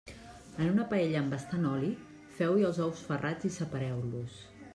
En una paella amb bastant oli, feu-hi els ous ferrats i separeu-los.